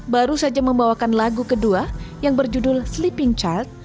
baru saja membawakan lagu kedua yang berjudul sleeping chart